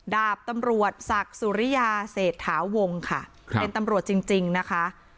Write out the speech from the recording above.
ดาบตำรวจศักดิ์สุริยาเศรษฐาวงค่ะเป็นตำรวจจริงนะคะ